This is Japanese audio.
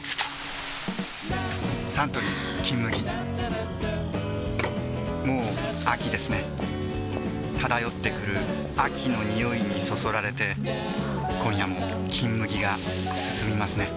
サントリー「金麦」もう秋ですね漂ってくる秋の匂いにそそられて今夜も「金麦」がすすみますね